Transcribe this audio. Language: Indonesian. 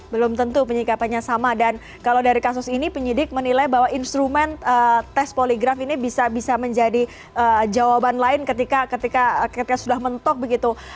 belum tentu penyikapannya sama dan kalau dari kasus ini penyidik menilai bahwa instrumen tes poligraf ini bisa menjadi jawaban lain ketika sudah mentok begitu